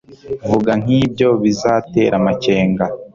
Vuga nkibyo bizatera amakenga